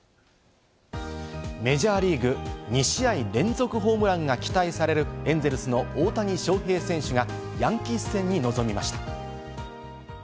メジャーリーグ２試合連続ホームランが期待されるエンゼルスの大谷翔平選手がヤンキース戦に臨みました。